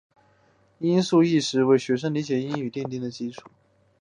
音素意识为学生理解英语规则奠定了基础。